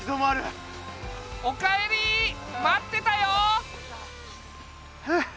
おかえり待ってたよ！